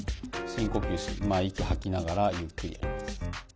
深呼吸息を吐きながらゆっくりやります。